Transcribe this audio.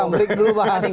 beritahu dulu bang